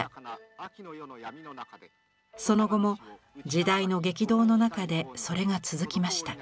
その後も時代の激動の中でそれが続きました。